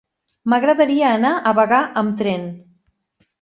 M'agradaria anar a Bagà amb tren.